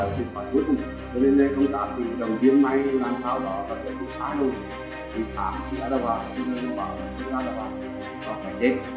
nói cuối cùng tôi lên lên công trạng thì đồng viên may làm tháo đó và tôi cũng xá luôn thì tháo thì nó đã vào khi nó vào thì nó đã vào nó phải hết